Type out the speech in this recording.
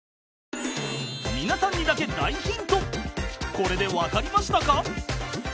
［これで分かりましたか？］